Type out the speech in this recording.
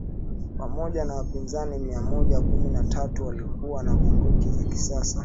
pamoja na wapagazi mia moja kumi na tatu Walikuwa na bunduki za kisasa